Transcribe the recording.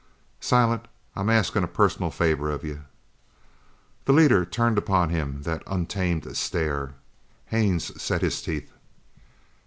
"Silent, I'm asking a personal favour of you!" The leader turned upon him that untamed stare. Haines set his teeth.